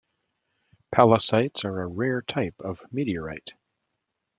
Pallasites are a rare type of meteorite.